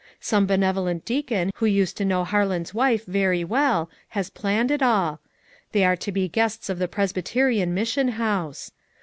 Some benevolent deacon who used to know Harlan's wife very well, has planned it all; they are to be guests of the Presbyterian Mis sion House.